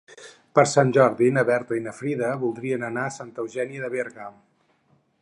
Per Sant Jordi na Berta i na Frida voldrien anar a Santa Eugènia de Berga.